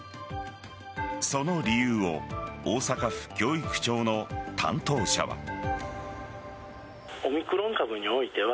その理由を大阪府教育庁の担当者は。